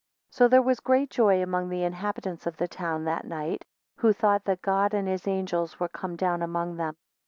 8 So there was great joy among the inhabitants of the town that night, who thought that God and his angels were come down among them.